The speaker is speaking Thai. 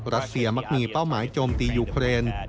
รัสเซียมักมีเป้าหมายโจมตียูเครน